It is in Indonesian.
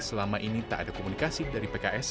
selama ini tak ada komunikasi dari pks